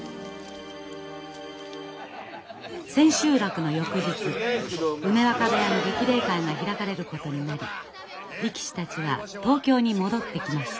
千秋楽の翌日梅若部屋の激励会が開かれることになり力士たちは東京に戻ってきました。